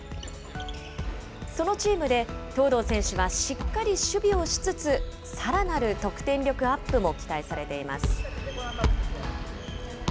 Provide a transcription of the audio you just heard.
そのチームで、東藤選手はしっかり守備をしつつ、さらなる得点力アップも期待されています。